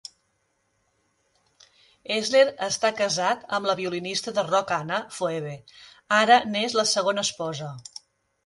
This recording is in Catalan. Esler està casat amb la violinista de rock Anna Phoebe. Ara n'és la segona esposa.